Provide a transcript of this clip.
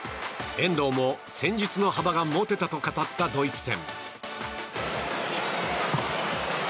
遠藤も戦術の幅が持てたと語ったドイツ戦。